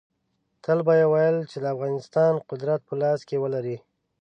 تل به یې ویل چې د افغانستان قدرت په لاس کې ولري.